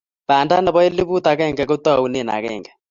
Banda nebo elbut agenge kotaune agenge